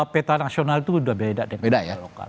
peta nasional itu sudah beda dengan lokal